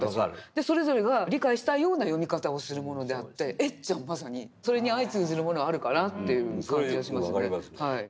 でそれぞれが理解したいような読み方をするものであってエッちゃんはまさにそれに相通じるものあるかなっていう感じはしますね。